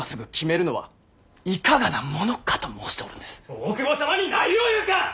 大久保様に何を言うか！